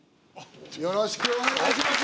よろしくお願いします！